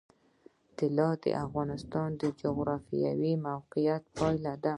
طلا د افغانستان د جغرافیایي موقیعت پایله ده.